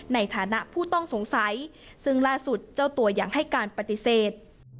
ในฐานะผู้ต้องสงสัยซึ่งล่าสุดเจ้าตัวยังให้การปฏิเสธ